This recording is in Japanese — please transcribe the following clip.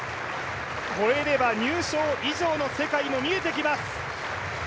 越えれば入賞以上の世界も見えてきます。